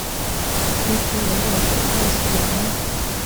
fpr yavugaga ko izasubira mu